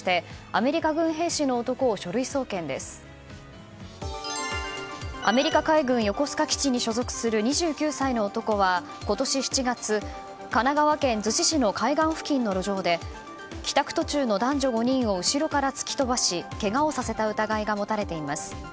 アメリカ海軍横須賀基地に所属する２９歳の男は今年７月神奈川県逗子市の海岸付近の路上で帰宅途中の男女５人を後ろから突き飛ばしけがをさせた疑いが持たれています。